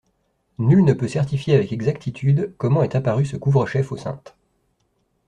Nul ne peut certifier avec exactitude comment est apparu ce couvre-chef aux Saintes.